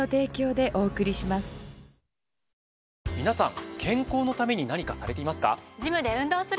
皆さん健康のために何かされていますか？